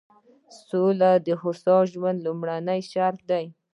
سوله د هوسا ژوند لومړنی شرط دی.